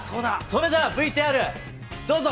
それではＶＴＲ、どうぞ。